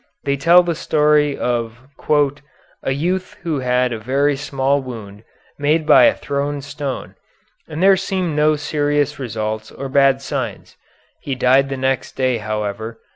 They tell the story of "a youth who had a very small wound made by a thrown stone and there seemed no serious results or bad signs. He died the next day, however.